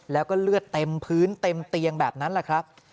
แล้วก็เลือดเต็มพื้นเต็มเตียงแบบนั้นแหละครับ